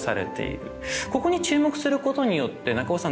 ここに注目することによって中尾さん